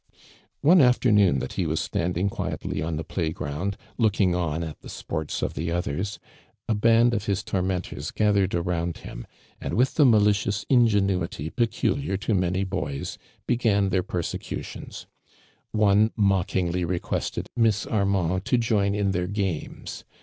( )ne afternoon that he was standing ijuietly in the play ground, looking on at tiie sports of th<! others, a baiul of his tormentor * gathert d aroun<l him. and with the malicious ingenuity peculiar to many Itovs, began their persecutions, ( )nc mockingly re(|uested " J/m Armand to join in their games."